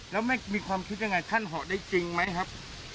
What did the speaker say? แล้วแม่มีความคิดยังไงท่านเหาะได้จริงไหมครับ